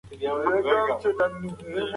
مرغۍ په خپل مړوند د حق او عدالت غږ پورته کړ.